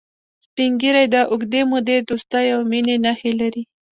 سپین ږیری د اوږدې مودې دوستی او مینې نښې لري